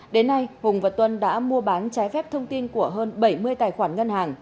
đến nay hùng và tuân đã mua bán trái phép thông tin của hơn bảy mươi tài khoản ngân hàng